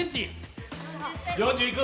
４０いく？